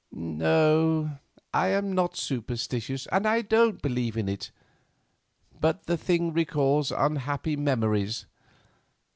"No, I am not superstitious, and I don't believe in it; but the thing recalls unhappy memories.